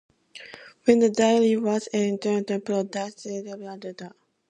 When the diary was eventually produced, Baker claimed that eighteen vital pages were missing.